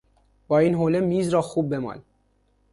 با این حوله میز را خوب بمال.